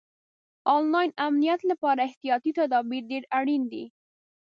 آنلاین امنیت لپاره احتیاطي تدابیر ډېر اړین دي.